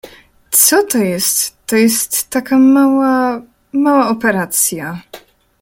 — Co to jest? — To jest taka mała, mała operacja.